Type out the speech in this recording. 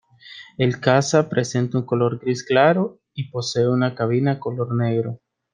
El caza presenta un color gris claro, y posee una cabina color negro.